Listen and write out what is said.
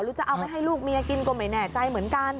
จะเอาไปให้ลูกเมียกินก็ไม่แน่ใจเหมือนกัน